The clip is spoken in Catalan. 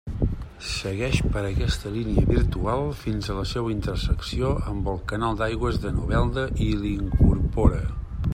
Segueix per aquesta línia virtual fins a la seua intersecció amb el canal d'aigües de Novelda, i l'incorpora.